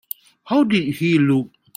How did he look?